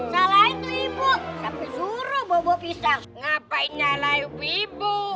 salah itu ibu sampe suruh bawa pisang ngapain nyalah ibu ibu